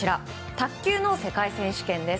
卓球の世界選手権です。